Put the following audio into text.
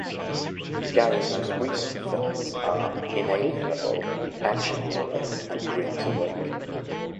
Gary's most recent films are "InAlienable", "Action Hero" and "Dreams Awake".